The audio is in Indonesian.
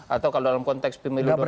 atau kalau dalam konteks pemilu